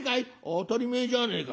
「当たり前じゃねえか。